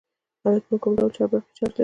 الکترون کوم ډول برقي چارچ لري.